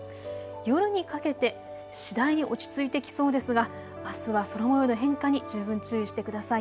夜にかけて次第に落ち着いてきそうですが、あすは空もようの変化に十分注意してください。